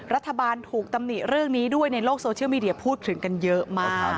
รัฐบาลถูกตำหนิเรื่องนี้ด้วยในโลกโซเชียลมีเดียพูดถึงกันเยอะมาก